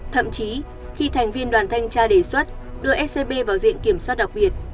thậm chí khi thành viên đoàn thanh tra đề xuất đưa scb vào diện kiểm soát đặc biệt